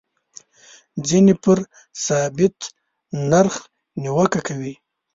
ځینې پر ثابت نرخ نیوکه کوي.